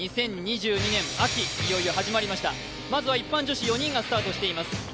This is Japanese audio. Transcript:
２０２２年秋、いよいよ始まりました、まずは一般女子４人がスタートしています